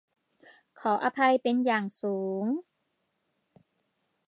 ขออภัยเป็นอย่างสูง